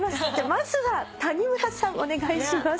まずは谷村さんお願いします。